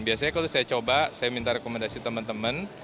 biasanya kalau saya coba saya minta rekomendasi teman teman